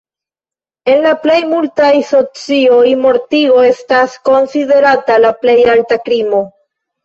En la plejmultaj socioj mortigo estas konsiderata la plej alta krimo.